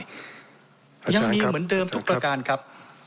ยังมีเหมือนเดิมทุกประการครับ